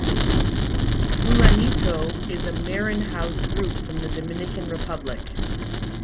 Fulanito is a Merenhouse group from the Dominican Republic.